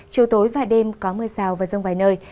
chiều tối và đêm có mưa rào và rông vài nơi